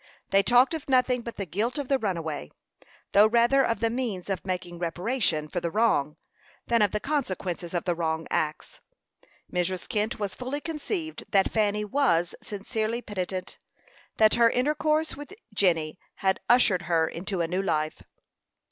They talked of nothing but the guilt of the runaway, though rather of the means of making reparation for the wrong, than of the consequences of the wrong acts. Mrs. Kent was fully convinced that Fanny was sincerely penitent; that her intercourse with Jenny had ushered her into a new life.